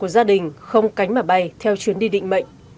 gia đình không cánh mà bay theo chuyến đi định mệnh